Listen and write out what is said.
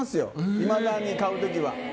いまだに買う時は。